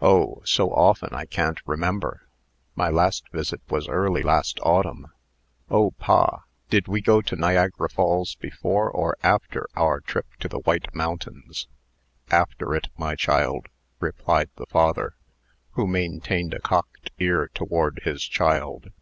"Oh! so often I can't remember. My last visit was early last autumn. Oh! pa, did we go to Niagara Falls before or after our trip to the White Mountains?" "After it, my child," replied the father, who maintained a cocked ear toward his child.